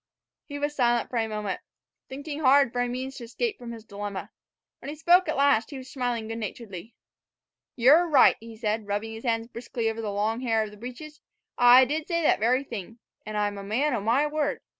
He was silent for a while, thinking hard for a means of escape from his dilemma. When he spoke at last he was smiling good naturedly. "Ye're right," he said, rubbing his hands briskly over the long hair of the breeches; "I did say that very thing. An' I'm a man o' my word.